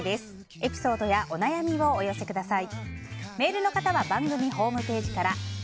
エピソードやお悩みをお寄せください。